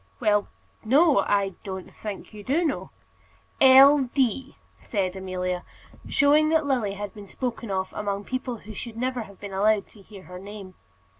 "Well, no. I don't think you do know." "L. D.!" said Amelia, showing that Lily had been spoken of among people who should never have been allowed to hear her name.